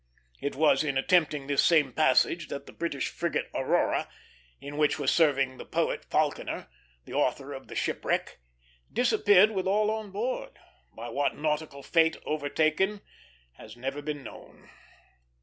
It was in attempting this same passage that the British frigate Aurora, in which was serving the poet Falconer, the author of "The Shipwreck," disappeared with all on board; by what nautical fate overtaken has never been known.